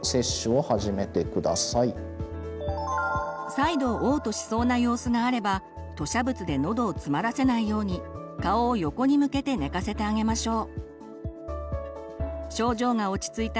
再度おう吐しそうな様子があれば吐しゃ物で喉をつまらせないように顔を横に向けて寝かせてあげましょう。